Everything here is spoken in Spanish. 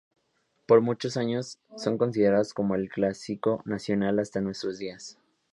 Por muchos años son considerados como el Clásico Nacional hasta nuestros días.